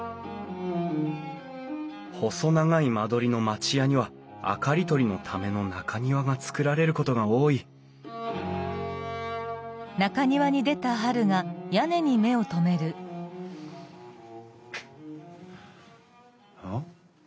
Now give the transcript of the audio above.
細長い間取りの町家には明かり取りのための中庭が造られることが多いあ？